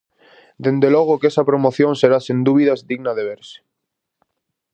Dende logo que esa promoción será sen dúbidas digna de verse.